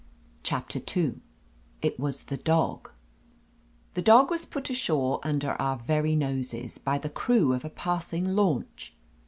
CHAPTER II IT WAS THE DOG THE dog was put ashore under our very noses, by the crew of a passing launch.